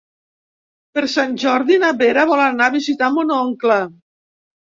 Per Sant Jordi na Vera vol anar a visitar mon oncle.